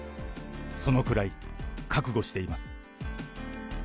そのくらい、覚悟しています。